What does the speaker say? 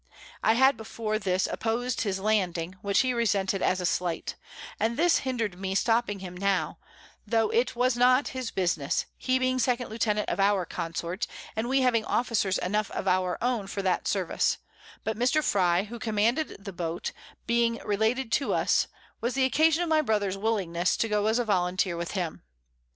I had before this oppos'd his landing, which he resented as a Slight; and this hinder'd me stopping him now, tho it was not his business, he being second Lieutenant of our Consort, and we having Officers enough of our own for that Service: but Mr. Frye, who commanded the Boat, being related to us, was the occasion of my Brother's Willingness to go as a Volunteer with him.